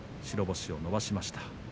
白星を伸ばしました。